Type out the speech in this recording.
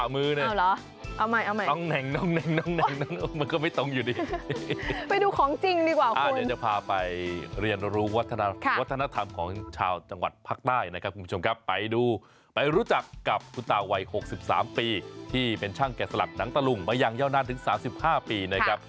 มายังเยาว์นานถึง๓๕ปีนะครับ